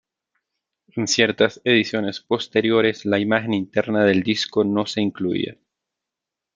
En ciertas ediciones posteriores la imagen interna del disco no se incluía.